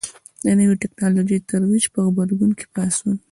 د نوې ټکنالوژۍ ترویج په غبرګون کې پاڅون.